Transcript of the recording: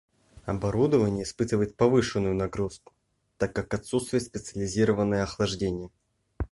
Оборудование испытывает повышенную нагрузку, так как отсутствует специализированное охлаждение